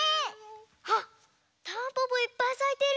あったんぽぽいっぱいさいてる！